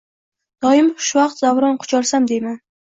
Doim xushvaqt davron qucholsam, deyman.